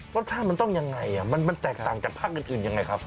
รสชาติมันต้องยังไงมันแตกต่างจากภาคอื่นยังไงครับ